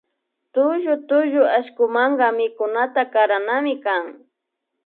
Tullu tullu allkumanka mikunata karanami kan